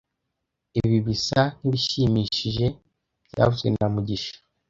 Ibi bisa nkibishimishije byavuzwe na mugisha